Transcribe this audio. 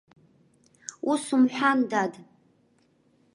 Ус умҳәан, дад!